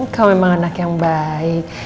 kau memang anak yang baik